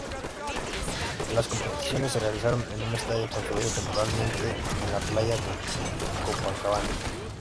Las competiciones se realizaron en un estadio construido temporalmente en la playa de Copacabana.